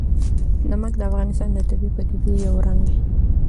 نمک د افغانستان د طبیعي پدیدو یو رنګ دی.